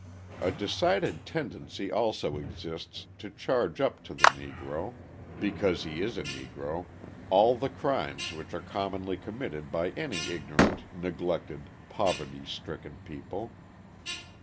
A decided tendency also exists to charge up to the Negro, because he is a Negro, all the crimes which are commonly committed by any ignorant, neglected, poverty stricken people.